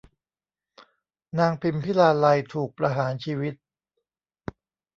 นางพิมพิลาไลยถูกประหารชีวิต